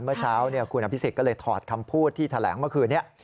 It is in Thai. เมื่อเช้าคุณอภิษฎก็เลยถอดคำพูดที่แถลงเมื่อคืนนี้